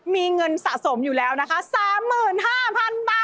มีเงินสะสมอยู่แล้วนะคะ๓๕๐๐๐บาท